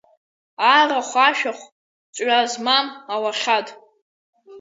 Арахә-ашәахә, ҵҩа змам ауахьад.